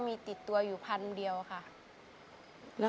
คุณหมอบอกว่าเอาไปพักฟื้นที่บ้านได้แล้ว